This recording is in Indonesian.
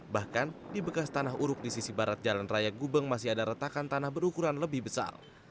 bahkan di bekas tanah uruk di sisi barat jalan raya gubeng masih ada retakan tanah berukuran lebih besar